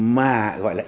mà gọi là